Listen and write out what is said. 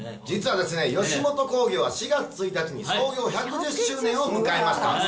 実はですね、吉本興業は４月１日に創業１１０周年を迎えました。